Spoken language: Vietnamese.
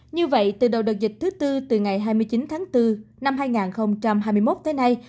như vậy từ đầu đợt dịch thứ tư từ ngày hai mươi chín tháng bốn năm hai nghìn hai mươi một tới nay